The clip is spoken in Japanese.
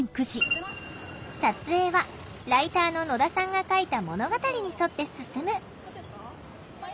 撮影はライターの野田さんが書いた物語に沿って進む。